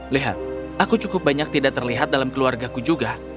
lihat aku cukup banyak tidak terlihat dalam keluargaku juga